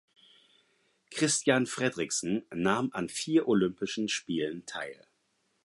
Christian Frederiksen nahm an vier Olympischen Spielen teil.